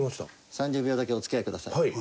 ３０秒だけお付き合いください。